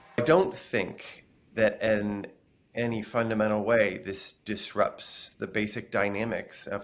saya tidak berpengaruh bahwa dalam cara fundamental ini mengganggu dinamik asas